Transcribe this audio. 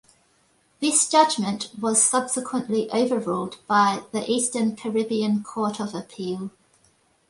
This judgement was subsequently over-ruled by the Eastern Caribbean Court of Appeal.